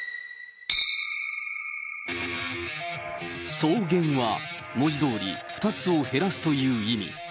双減は、文字どおり、２つを減らすという意味。